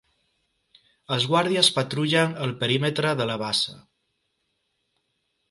Els guàrdies patrullen el perímetre de la base.